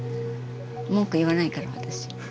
文句言わないから私。